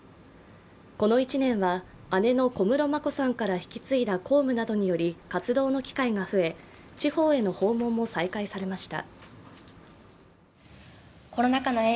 この１年は、姉の小室眞子さんから引き継いだ公務などにより活動の機会が増え地方への訪問も再開されました。